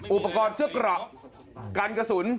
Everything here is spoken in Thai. อุปกรณ์เสื้อเกราะกันกระสุน